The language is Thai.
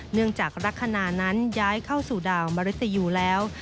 เนื่องจากลักษณะนั้นย้ายเข้าสู่ดาวมริตยูแล้ว